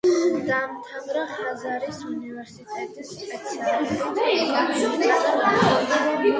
დაამთავრა ხაზარის უნივერსიტეტი სპეციალობით „ეკონომიკა და მართვა“.